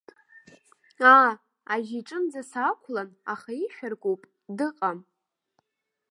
Аа, ажьи иҿынӡа саақәлан, аха ишә аркуп, дыҟам.